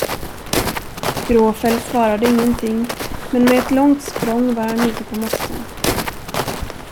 Gråfäll svarade ingenting, men med ett långt språng var han ute på mossen.